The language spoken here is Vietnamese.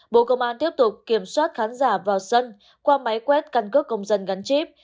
bộ công an tiếp tục kiểm soát khán giả vào sân qua máy quét căn cước công dân gắn chip